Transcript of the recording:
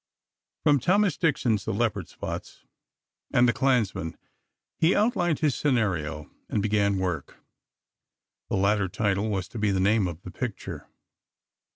From Thomas Dixon's "The Leopard's Spots" and "The Clansman," he outlined his scenario, and began work. The latter title was to be the name of the picture.